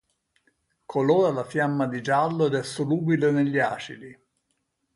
Colora la fiamma di giallo ed è solubile negli acidi.